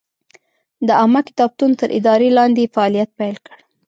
د عامه کتابتون تر ادارې لاندې یې فعالیت پیل کړ.